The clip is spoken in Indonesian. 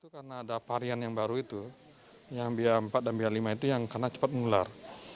karena ada varian yang baru itu yang b empat dan b lima itu yang karena cepat mular